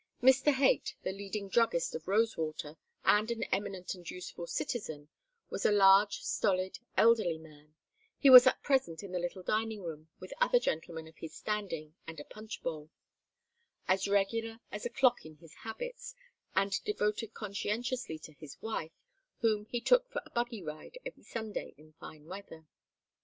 Mr. Haight, the leading druggist of Rosewater and an eminent and useful citizen, was a large stolid elderly man he was at present in the little dining room with other gentlemen of his standing and a punch bowl as regular as a clock in his habits, and devoted conscientiously to his wife, whom he took for a buggy ride every Sunday in fine weather.